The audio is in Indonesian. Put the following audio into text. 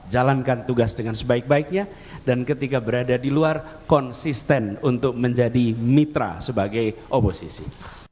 jalankan tugas dengan sebaik baiknya dan ketika berada di luar konsisten untuk menjadi mitra sebagai oposisi